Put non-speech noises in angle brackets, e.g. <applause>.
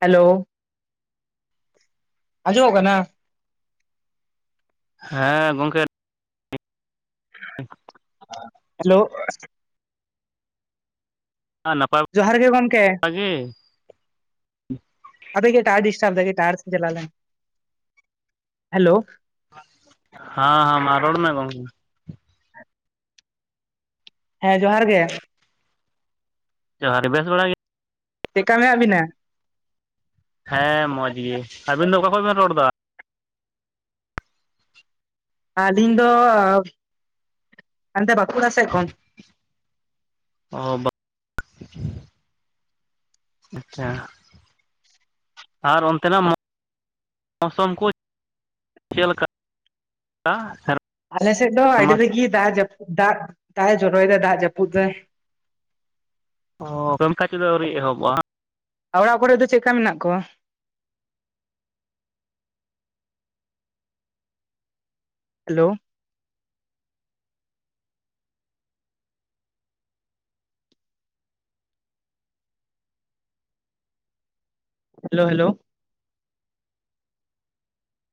Hello ᱟᱡᱚᱢᱚᱜ ᱠᱟᱱᱟ ᱦᱮᱸ ᱜᱚᱝᱠᱮ ᱦᱮᱞᱳ ᱱᱟᱯᱟᱭ ᱡᱚᱦᱟᱨ ᱜᱮ ᱜᱚᱝᱠᱮ ᱵᱟᱲᱟ ᱜᱮ ᱟᱰᱤ ᱜᱮ ᱴᱟᱣᱟᱨ ᱰᱤᱥᱴᱟᱵ ᱫᱟᱭ ᱠᱟᱸᱪ ᱴᱟᱣᱟᱨ ᱥᱮᱫ ᱪᱟᱞᱟᱣ ᱞᱮᱱ ᱦᱮᱞᱳ ᱦᱟᱸ ᱦᱟᱸ ᱢᱟ ᱨᱚᱲ ᱢᱮ ᱦᱮᱸ ᱡᱚᱦᱟᱨ ᱜᱮ ᱡᱚᱦᱟᱨ ᱜᱮ, ᱵᱮᱥ ᱵᱟᱲᱟ ᱜᱮ ᱪᱮᱜᱠᱟ ᱢᱮᱱᱟᱜ ᱵᱤᱱᱟ? ᱦᱮᱸ ᱢᱚᱡᱽ ᱜᱮ, ᱟᱵᱤᱱ ᱫᱚ ᱚᱠᱟ ᱠᱷᱚᱡ ᱵᱮᱱ ᱨᱚᱲ ᱮᱫᱟ? ᱟᱹᱞᱤᱧ ᱫᱚ ᱚᱱᱛᱮ ᱵᱟᱸᱠᱩᱲᱟ ᱥᱮᱫ ᱠᱷᱚᱱ᱾ <unintelligible> ᱟᱨ ᱚᱱᱛᱮ ᱱᱟᱜ ᱢᱚᱥᱚᱢ ᱠᱚ ᱪᱮᱫ ᱞᱮᱠᱟ? <unintelligible> ᱟᱞᱮ ᱥᱮᱫ ᱫᱚ ᱟᱹᱰᱤ ᱥᱮᱨᱢᱟ ᱛᱮᱫ ᱜᱮ ᱫᱟᱜ ᱡᱟᱹᱯᱩᱫ ᱫᱟᱜ ᱫᱟᱜ ᱡᱚᱨᱚᱭᱮᱫᱟ ᱫᱟᱜ ᱡᱟᱹᱯᱩᱫ ᱫᱟᱭ, ᱦᱚᱸ ᱠᱟᱹᱢᱤᱠᱟᱡ ᱠᱚᱫᱚ ᱟᱹᱣᱨᱤ ᱮᱦᱚᱵᱚᱜᱼᱟ᱾ ᱚᱲᱟᱜ ᱠᱚᱨᱮ ᱫᱚ ᱪᱮᱠᱟ ᱢᱮᱱᱟᱜ ᱠᱚᱣᱟ? Hello hello hello